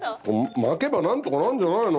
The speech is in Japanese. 巻けばなんとかなるんじゃないの？